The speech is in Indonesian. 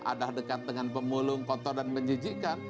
ada dekat dengan pemulung kotor dan menjijikan